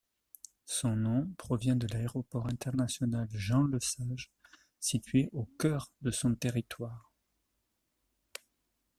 Son nom provient de l'Aéroport international Jean-Lesage situé au cœur de son territoire.